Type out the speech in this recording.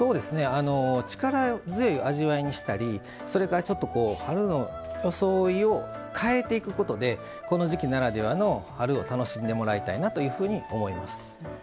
力強い味わいにしたりそれからちょっと春の装いを変えていくことでこの時季ならではの春を楽しんでもらいたいなというふうに思います。